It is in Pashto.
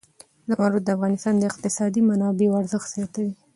زمرد د افغانستان د اقتصادي منابعو ارزښت زیاتوي.